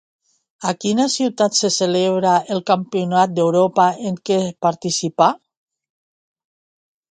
A quina ciutat se celebra el Campionat d'Europa en què participà?